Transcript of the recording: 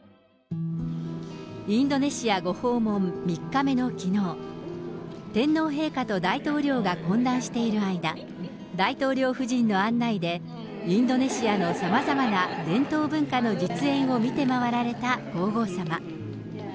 インドネシアご訪問３日目のきのう、天皇陛下と大統領が懇談している間、大統領夫人の案内で、インドネシアのさまざまな伝統文化の実演を見て回られた皇后さま。